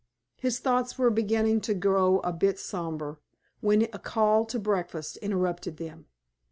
His thoughts were beginning to grow a bit sombre when a call to breakfast interrupted them.